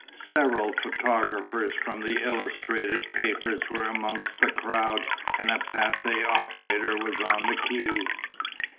Several photographers from the illustrated papers were amongst the crowd and a Pathé operator was on the quay.